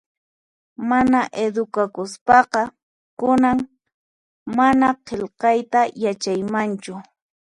Mana edukakuspaqa kunan mana qillqayta yachaymanchu